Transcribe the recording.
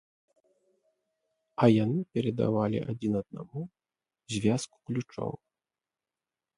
А яны перадавалі адзін аднаму звязку ключоў.